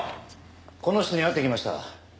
この人に会ってきました。